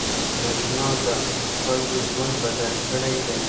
برېښنا د خلکو ژوند بدل کړی دی.